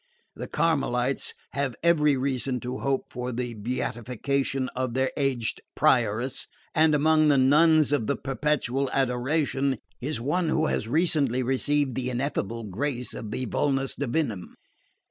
The Carmelites have every reason to hope for the beatification of their aged Prioress, and among the nuns of the Perpetual Adoration is one who has recently received the ineffable grace of the vulnus divinum.